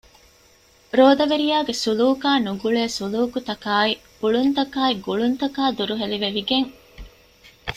ރޯދަވެރިޔާގެ ސުލޫކާ ނުގުޅޭ ސުލޫކުތަކާއި އުޅުންތަކާއި ގުޅުންތަކާ ދުރުހެލި ވެވިގެން